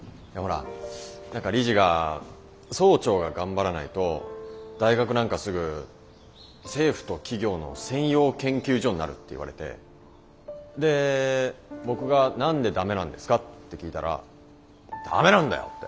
ほら何か理事が「総長が頑張らないと大学なんかすぐ政府と企業の専用研究所になる」って言われてで僕が「何でダメなんですか？」って聞いたら「ダメなんだよ！」